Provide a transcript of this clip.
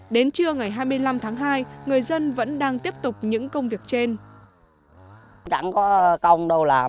đến trưa ngày hai mươi năm tháng hai người dân vẫn đang tiếp tục những công việc trên